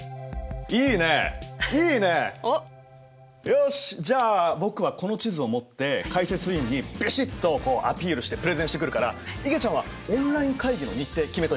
よしじゃあ僕はこの地図を持って解説委員にビシッとアピールしてプレゼンしてくるからいげちゃんはオンライン会議の日程決めといて。